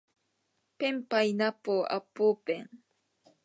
ペンパイナッポーアッポーペン